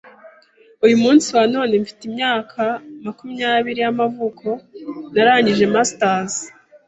Uyu munsi wa none mfite imyaka makumyabiri y’amavuko, narangije masters,